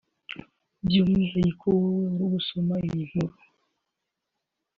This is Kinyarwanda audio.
by’umwihariko wowe uri gusoma iyi nkuru